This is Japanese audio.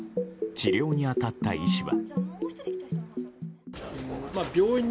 治療に当たった医師は。